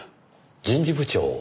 人事部長を。